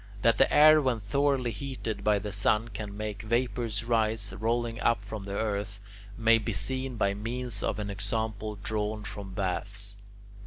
That the air when thoroughly heated by the sun can make vapours rise rolling up from the earth, may be seen by means of an example drawn from baths.